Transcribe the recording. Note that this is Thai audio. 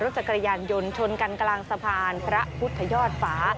จักรยานยนต์ชนกันกลางสะพานพระพุทธยอดฝา